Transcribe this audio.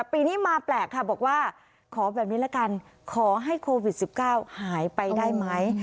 ปีนี้มาแปลกค่ะบอกว่าขอแบบนี้ละกันขอให้โควิด๑๙หายไปได้ไหม